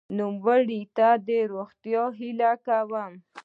نوموړي ته د روغتیا هیله کوم.